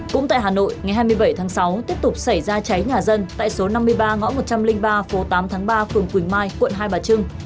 cũng tại hà nội ngày hai mươi bảy tháng sáu tiếp tục xảy ra cháy nhà dân tại số năm mươi ba ngõ một trăm linh ba phố tám tháng ba phường quỳnh mai quận hai bà trưng